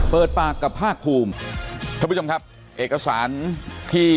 เปิดปากกับภาคภูมิท่านผู้ชมครับเอกสารที่